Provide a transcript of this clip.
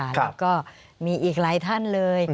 แล้วก็มีอีกหลายท่านเลย